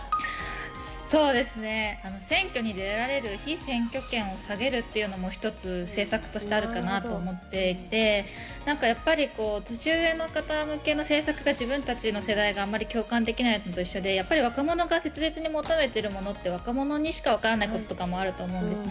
そうですね、選挙に出られる、被選挙権を下げるっていうのも一つ政策としてあるかなと思っていて、なんかやっぱり、年上の方向けの政策が、自分たちの世代があまり共感できないのと一緒で、一緒で、やっぱり若者が切実に求めてるものって、若者にしか分からないこととかもあると思うんですね。